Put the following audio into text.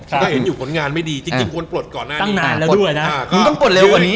ก็เห็นอยู่ผลงานไม่ดีจริงควรปลดก่อนหน้านี้